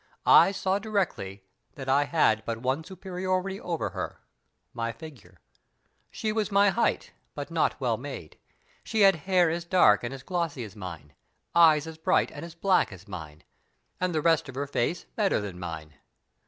I saw directly that I had but one superiority over her my figure. She was my height, but not well made. She had hair as dark and as glossy as mine; eyes as bright and as black as mine; and the rest of her face better than mine.